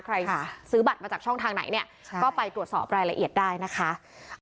ใครซื้อบัตรมาจากช่องทางไหนเนี่ยก็ไปตรวจสอบรายละเอียดได้นะคะ